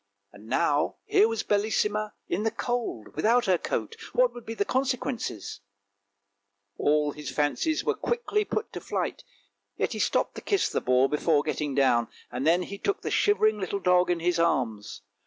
Now here was Bellissima in the cold without her coat; what would be the consequences ? All his fancies were quickly put to flight, yet he stopped to kiss the boar before getting down, and then he took the shivering little dog in his arms.